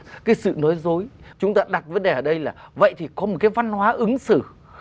cái sự nói dối chúng ta đặt vấn đề ở đây là vậy thì có một cái văn hóa ứng xử